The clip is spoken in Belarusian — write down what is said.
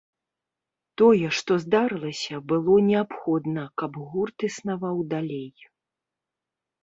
Тое, што здарылася, было неабходна, каб гурт існаваў далей.